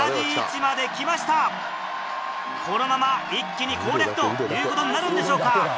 このまま一気に攻略ということになるんでしょうか。